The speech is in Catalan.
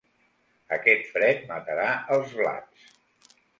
Aquest fred matarà els blats.